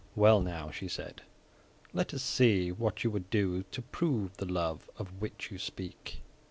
"Well, now," she said, "let us see what you would do to prove this love of which you speak."